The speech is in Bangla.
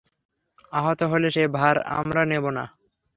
আহত হলে সে ভার আমরা নেবো না।